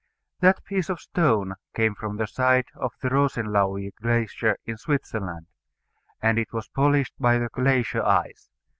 That piece of stone came from the side of the Rosenlaui glacier in Switzerland, and it was polished by the glacier ice.